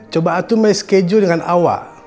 coba atur schedule dengan awak